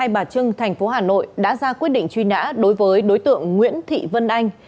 hai bà trưng thành phố hà nội đã ra quyết định truy nã đối với đối tượng nguyễn thị vân anh